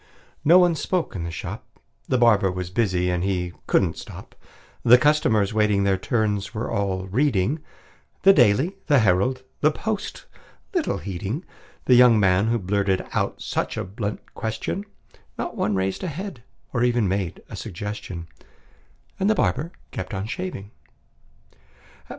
No one spoke in the shop: The barber was busy, and he couldn't stop; The customers, waiting their turns, were all reading The "Daily," the "Herald," the "Post," little heeding The young man who blurted out such a blunt question; Not one raised a head, or even made a suggestion; And the barber kept on shaving.